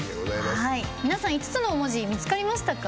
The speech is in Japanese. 皆さん、５つの文字見つかりましたか？